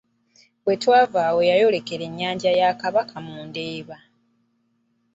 Bwe yava awo yayolekera ennyanja ya Kabaka mu Ndeeba.